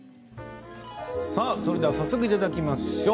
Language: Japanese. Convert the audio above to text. では早速いただきましょう。